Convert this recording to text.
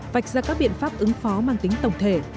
vạch ra các biện pháp ứng phó mang tính tổng thể